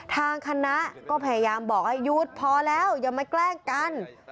ทางคณะก็พยายามบอกให้หยุดพอแล้วอย่ามาแกล้งกัน